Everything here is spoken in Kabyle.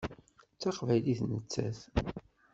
D taqbaylit nettat.